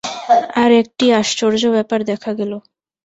আর-একটি আশ্চর্য ব্যাপার দেখা গেল।